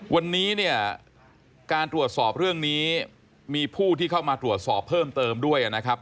วันนี้เนี่ยการตรวจสอบเรื่องนี้มีผู้ที่เข้ามาตรวจสอบเพิ่มเติมด้วยนะครับ